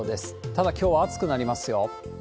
ただ、きょうは暑くなりますよ。